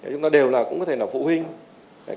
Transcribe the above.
chúng ta đều là phụ huynh